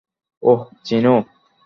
ওহ, চিনো।